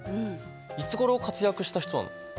いつごろ活躍した人なの？